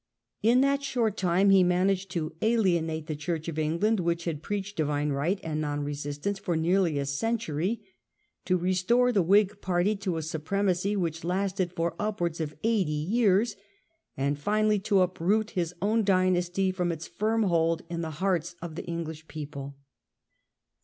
In that short time he managed to alienate the Church of England, which had Character of preached Divine Right and Non Resistance the reign. for nearly a century; to restore the Whig party to a supremaqy which lasted for upwards of 80 years ; and finally to uproot his own dynasty from its firm hold in the hearts of the English people.